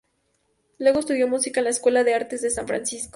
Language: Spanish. Luego estudió música en la Escuela de Artes de San Francisco.